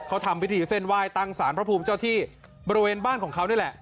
เขาทำพิธีเส้นไหว้ตั้งสารพระภูมิเจ้าที่บริเวณบ้านของเขานี่แหละ